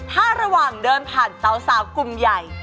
ถ้าระหว่างเดินผ่านเตาสาวกลุ่มใหญ่